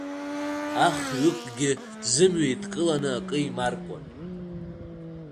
Ахҩыкгьы зымҩа еидгыланы акы еимаркуан.